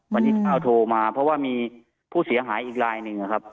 วันนี้ข้าวโทรมาเพราะว่ามีผู้เสียหายอีกลายหนึ่งนะครับ